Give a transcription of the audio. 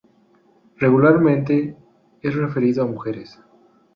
Regularmente es referido a mujeres.